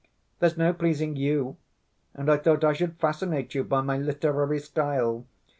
"There's no pleasing you! And I thought I should fascinate you by my literary style.